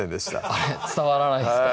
あれっ伝わらないですか？